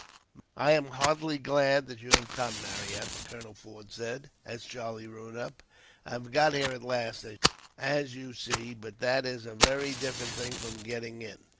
"I am heartily glad that you have come, Marryat," Colonel Forde said, as Charlie rode up. "I have got here at last, as you see, but that is a very different thing from getting in.